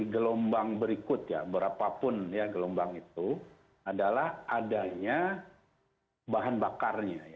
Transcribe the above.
gelombang berikut berapapun gelombang itu adalah adanya bahan bakarnya